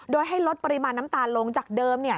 โดยให้ลดปริมาณน้ำตาลลงจากเดิม